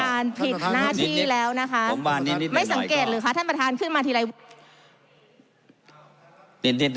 ไม่สังเกตเลยค่ะท่านประธานขึ้นมาทีไร